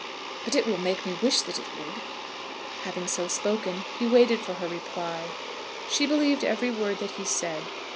But it will make me wish that it would." Having so spoken he waited for her reply. She believed every word that he said.